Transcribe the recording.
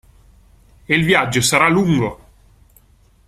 E il viaggio sarà lungo!